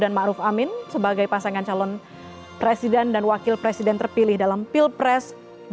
dari pasangan calon presiden dan wakil presiden terpilih dalam pilpres dua ribu sembilan belas